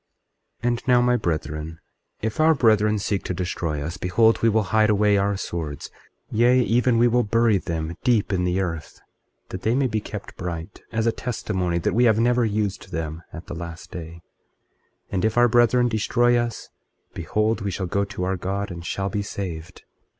24:16 And now, my brethren, if our brethren seek to destroy us, behold, we will hide away our swords, yea, even we will bury them deep in the earth, that they may be kept bright, as a testimony that we have never used them, at the last day; and if our brethren destroy us, behold, we shall go to our God and shall be saved.